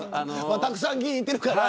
たくさん議員いてるから。